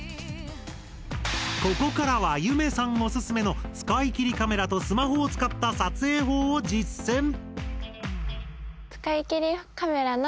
ここからはゆめさんおすすめの使い切りカメラとスマホを使った撮影法を実践！